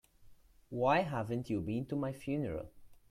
Why haven't you been to my funeral?